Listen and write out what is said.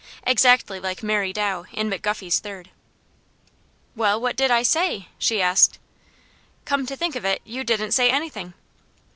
exactly like Mary Dow in McGuffey's Third. "Well, what did I SAY?" she asked. "Come to think of it, you didn't say anything."